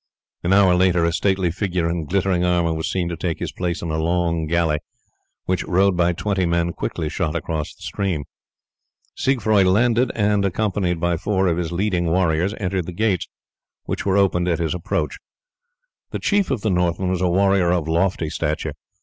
An hour later a stately figure in glittering armour was seen to take his place in a long galley, which, rowed by twenty men, quickly shot across the stream. Siegfroi landed, and, accompanied by four of his leading warriors, entered the gates, which were opened at his approach. The chief of the Northmen was a warrior of lofty stature.